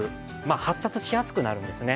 発達しやすくなるんですね。